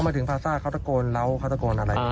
มาถึงพาซ่าเขาตะโกนเล้าเขาตะโกนอะไร